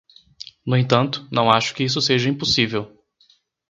No entanto, não acho que isso seja impossível.